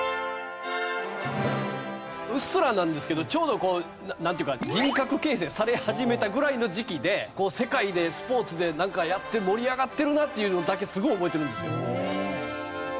うっすらなんですけどちょうどなんていうか人格形成され始めたぐらいの時期で世界でスポーツでなんかやって盛り上がってるなっていうのだけすごい覚えてるんですよ。